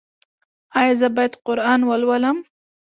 ایا زه باید قرآن ولولم؟